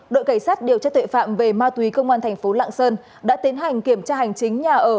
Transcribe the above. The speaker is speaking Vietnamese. đội cảnh sát điều tra tuệ phạm về ma túy công an thành phố lạng sơn đã tiến hành kiểm tra hành chính nhà ở